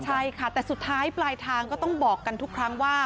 ใช่ค่ะแต่สุดท้ายปลายทางก็ต้องบอกกันทุกครั้งว่า